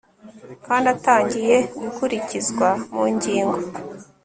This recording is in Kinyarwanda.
kandi atangiye gukurikizwa mu ngingo